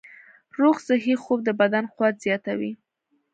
روغ صحي خوب د بدن قوت زیاتوي.